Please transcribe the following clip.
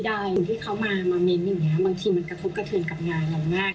อย่างที่เขามาเม้นต์อย่างนี้บางทีมันกระทบกระเทือนกับงานเรามาก